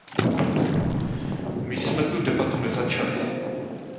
My jsme tu debatu nezačali.